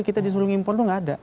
kita disuruh ngimpor itu nggak ada